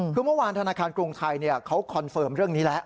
คือเมื่อวานธนาคารกรุงไทยเขาคอนเฟิร์มเรื่องนี้แล้ว